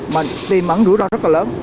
mình tìm ẩn rủi ro rất là lớn